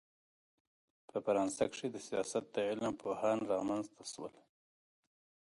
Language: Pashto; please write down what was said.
په فرانسه کښي دسیاست د علم پوهان رامنځ ته سول.